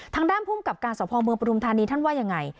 ทางด้านภูมิกับการสภเมืองปฐุมธานีท่านว่ายังไง